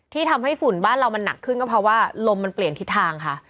ที่ทำให้ฝุ่นบ้านเรามันหนักขึ้นก็เพราะว่าลมมันเปลี่ยนทิศทางค่ะ